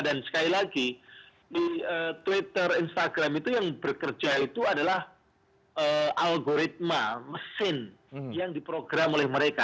dan sekali lagi di twitter instagram itu yang bekerja itu adalah algoritma mesin yang diprogram oleh mereka